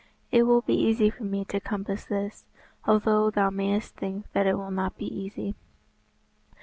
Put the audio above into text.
"It will be easy for me to compass this, although thou mayest think that it will not be easy."